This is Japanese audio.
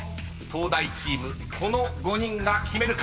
［東大チームこの５人が決めるか⁉］